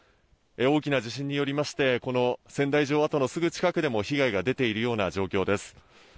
大きな地震によりましてこの仙台城跡のすぐ近くでも被害が出ているような状況です。